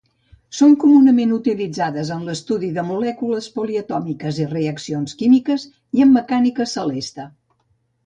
Són comunament utilitzades en l'estudi de molècules poliatòmiques i reaccions químiques, i en mecànica celeste.